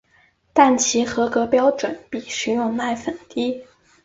但其合格标准比食用奶粉低。